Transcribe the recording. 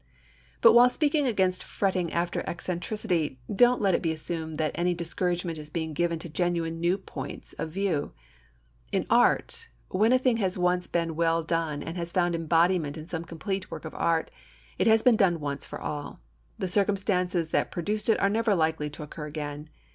But while speaking against fretting after eccentricity, don't let it be assumed that any discouragement is being given to genuine new points of view. In art, when a thing has once been well done and has found embodiment in some complete work of art, it has been done once for all. The circumstances that produced it are never likely to occur again.